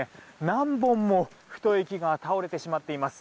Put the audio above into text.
何本も太い木が倒れてしまっています。